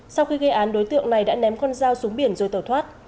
sau khi gây án đối tượng này đã ném con dao xuống biển rồi tẩu thoát